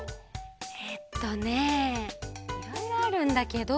えっとねいろいろあるんだけど。